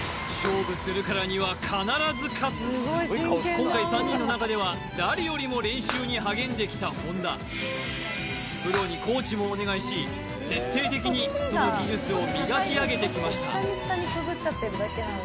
今回今回３人の中では誰よりも練習に励んできた本田プロにコーチもお願いし徹底的にその技術を磨き上げてきました